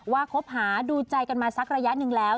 คบหาดูใจกันมาสักระยะหนึ่งแล้ว